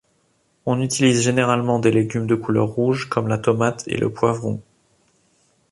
On utilise généralement des légumes de couleur rouge comme la tomate et le poivron.